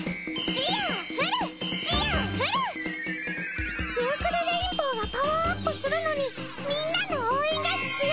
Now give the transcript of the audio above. ミュークルレインボウがパワーアップするのにみんなの応援が必要みゃ。